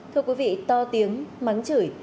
thưa quý vị to tiếng mắng chửi